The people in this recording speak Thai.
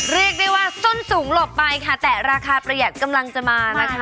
เรียกได้ว่าส้นสูงหลบไปค่ะแต่ราคาประหยัดกำลังจะมานะคะ